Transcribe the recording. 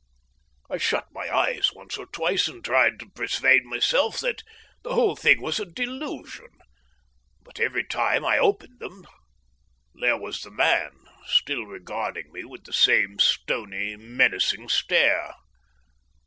I shut my eyes once or twice and tried to persuade myself that the whole thing was a delusion, but every time that I opened them there was the man still regarding me with the same stony, menacing stare.